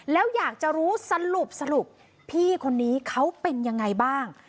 แล้วอยากจะรู้สรุปพี่คนนี้เขาเป็นยังไงบ้าง